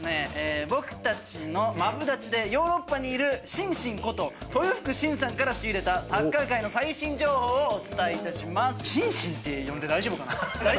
僕たちのマブダチでヨーロッパにいるしんしんこと豊福晋さんから仕入れたサッカー界の最新情報をお伝えいたします。